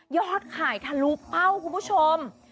ยอดขายธรูปเป้าคุณผู้ชม